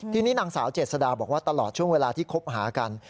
ทีนี้นางสาวเจษฎาบอกว่าตลอดช่วงเวลาที่คบหากัน